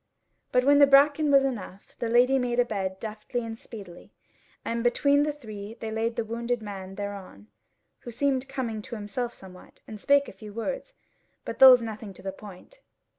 But when the bracken was enough, the Lady made a bed deftly and speedily; and between the three they laid the wounded man thereon, who seemed coming to himself somewhat, and spake a few words, but those nothing to the point.